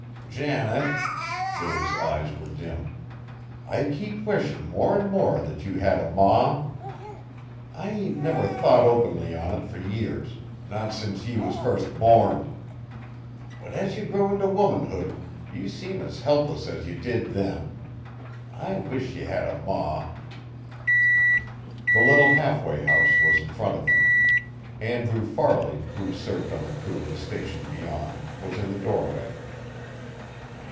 "Janet," Billy's eyes were dim, "I keep wishin' more an' more that ye had a ma. I ain't never thought openly on it fur years, not since ye was fust borned. But as ye grow int' womanhood, ye seem as helpless as ye did then. I wish ye had a ma!" The little halfway house was in front of them. Andrew Farley, who served on the crew at the Station beyond, was in the doorway.